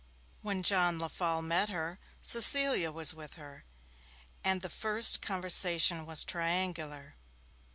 When John Lefolle met her, Cecilia was with her, and the first conversation was triangular.